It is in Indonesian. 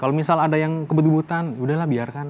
kalau misal ada yang kebudubutan yaudahlah biarkan